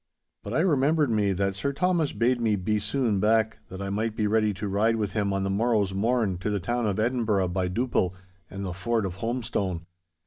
But I remembered me that Sir Thomas bade me be soon back, that I might be ready to ride with him on the morrow's morn to the town of Edinburgh by Duppil and the Ford of Holmestone.